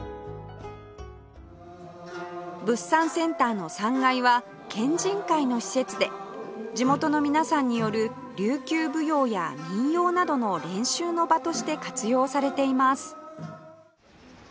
物産センターの３階は県人会の施設で地元の皆さんによる琉球舞踊や民謡などの練習の場として活用されています